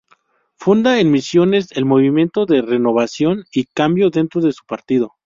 Funda en Misiones el Movimiento de Renovación y Cambio dentro de su partido.